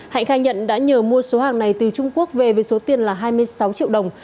hạnh khai nhận đã nhờ mua số hàng này từ trung quốc về với số tiền là hai mươi sáu triệu đồng